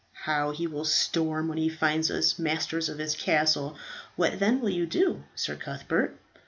How he will storm when he finds us masters of his castle. What then will you do, Sir Cuthbert?"